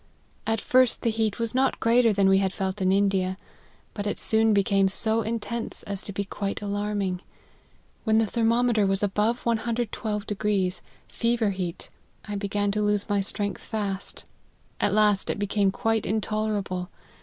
At first the heat was not greater than we had felt in India, but it soon became so intense as to be quite alarming. When the thermometer was above 112, fever heat, I be gan to lose my strength fast; at last, it became quite intolerable.